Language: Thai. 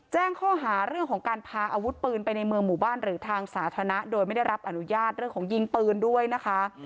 แจ้งข้อหาเรื่องของการพาอาวุธปืนไปในเมืองหมู่บ้านหรือทางสาธารณะโดยไม่ได้รับอนุญาตเรื่องของยิงปืนด้วยนะคะ